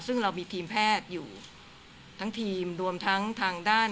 ซึ่งเรามีทีมแพทย์อยู่ทั้งทีมรวมทั้งทางด้าน